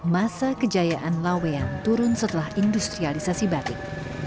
masa kejayaan lawean turun setelah industrialisasi batik